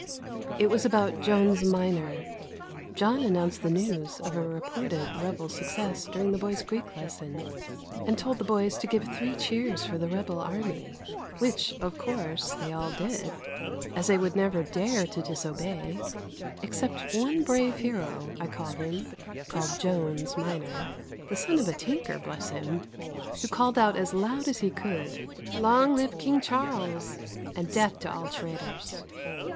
It was about Jones minor. John announced the news of a reported rebel success during the boys' Greek lesson, and told the boys to give three cheers for the rebel army, which, of course, they all did, as they would never dare to disobey, except one brave hero, I call him, called Jones minor (the son of a tinker, bless him!), who called out as loud as he could: "Long live King Charles and death to all traitors!"